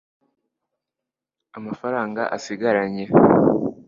amafaranga asigaranye